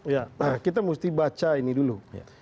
ya kita mesti baca ini dulu